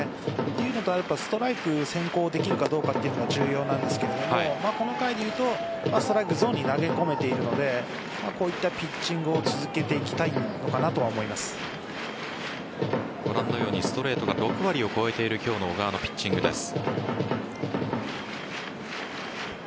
というのとストライク、先行できるかどうかが重要なんですがこの回でいうとストライクゾーンに投げ込めているのでこういったピッチングを続けていきたいのかなとはご覧のようにストレートが６割を超えている今日の小川のピッチングです。